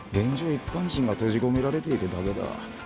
一般人が閉じ込められているだけだ。